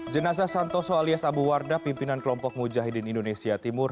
jenazah santoso alias abu wardah pimpinan kelompok mujahidin indonesia timur